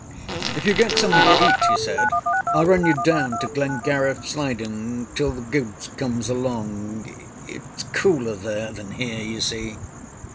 âIf you get something to eat,â he said, âIâll run you down to Glengariff siding till the goods comes along. Itâs cooler there than here, you see.